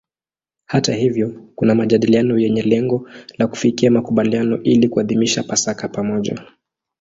Hata hivyo kuna majadiliano yenye lengo la kufikia makubaliano ili kuadhimisha Pasaka pamoja.